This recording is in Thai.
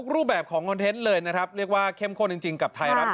เรียกว่าเข้มข้นจริงกับไทรัตท์